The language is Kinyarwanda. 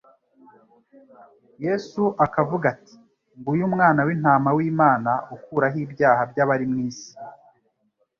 Yesu akavuga ati: " Nguyu umwana w'intama w'Imana ukuraho ibyaha by'abari mu isi!